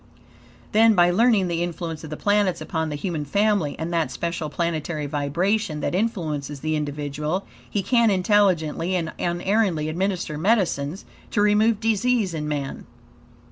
Then, by learning the influence of the planets upon the human family; and that special planetary vibration that influences the individual; he can intelligently and unerringly administer medicines to remove disease in man.